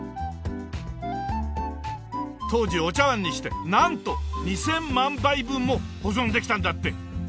当時お茶わんにしてなんと２０００万杯分も保存できたんだって！